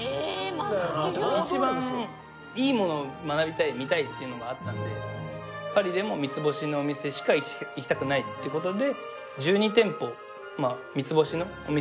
一番いいものを学びたい見たいっていうのがあったんでパリでも三つ星のお店しか行きたくないって事で。